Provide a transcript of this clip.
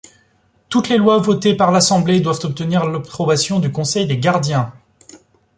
Toutes les lois votées par l'Assemblée doivent obtenir l'approbation du Conseil des gardiens.